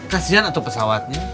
kasian atau pesawatnya